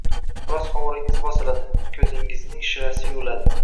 Biroz hovuringiz bosiladi, ko‘zingizning shirasi yuviladi.